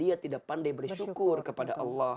karena dia tidak pandai beri syukur kepada allah